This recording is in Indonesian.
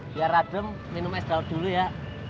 biar adem minum es dal dulu ya